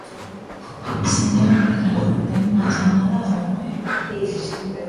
Señor Cadrado, ten unha chamada á orde.